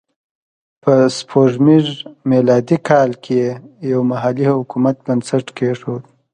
په سپوږمیز میلادي کال کې یې یو محلي حکومت بنسټ کېښود.